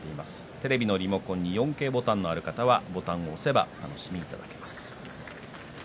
テレビのリモコンにボタンがある方はボタンを押せばお楽しみいただけます。